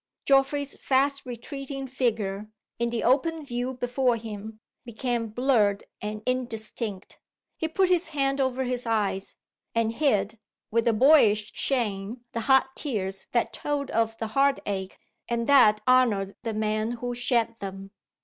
Geoffrey's fast retreating figure, in the open view before him, became blurred and indistinct. He put his hand over his eyes, and hid, with a boyish shame, the hot tears that told of the heartache, and that honored the man who shed them.